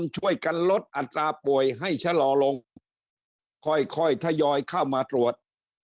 ช่วยกันลดอัตราป่วยให้ชะลอลงค่อยทยอยเข้ามาตรวจ